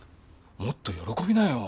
もっと喜びなよ。